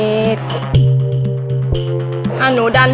พี่ดาขายดอกบัวมาตั้งแต่อายุ๑๐กว่าขวบ